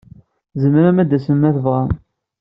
Tzemrem ad d-tasem ma tebɣam.